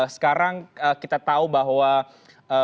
sekarang kita tahu bahwa pandemi covid sembilan belas tengah merebak kembali